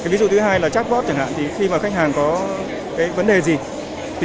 ví dụ thứ hai là chatbot khi khách hàng có vấn đề gì